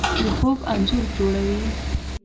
د خوب انځور جوړوي